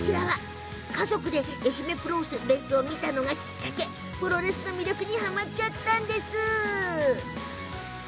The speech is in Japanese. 家族で愛媛プロレスを見たのがきっかけでプロレスの魅力にはまっちゃったんです。